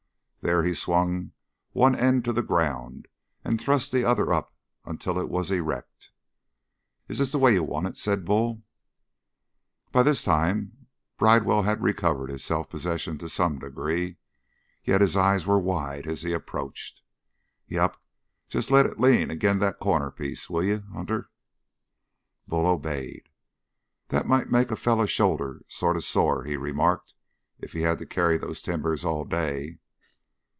There he swung one end to the ground and thrust the other up until it was erect. "Is this the way you want it?" said Bull. By this time Bridewell had recovered his self possession to some degree, yet his eyes were wide as he approached. "Yep. Just let it lean agin' that corner piece, will you, Hunter?" Bull obeyed. "That might make a fellow's shoulder sort of sore," he remarked, "if he had to carry those timbers all day."